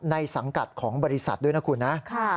สังกัดของบริษัทด้วยนะคุณนะ